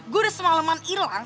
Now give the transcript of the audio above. gue udah semaleman hilang